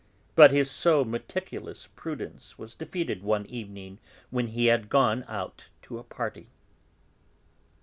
But his so meticulous prudence was defeated one evening when he had gone out to a party.